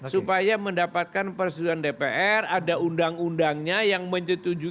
supaya mendapatkan persetujuan dpr ada undang undangnya yang menyetujui